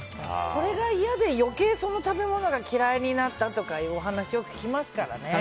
それが嫌で余計にその食べ物が嫌いになったって話も聞きますからね。